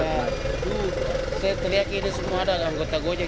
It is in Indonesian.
saya teriak ini semua ada anggota gojek